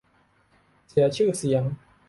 เสียชื่อเสียง